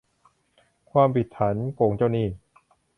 ความผิดฐานโกงเจ้าหนี้